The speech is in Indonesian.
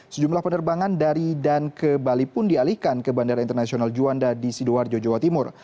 sejumlah penerbangan dari dan ke bali pun dialihkan ke bandara internasional juanda di sidoarjo jawa timur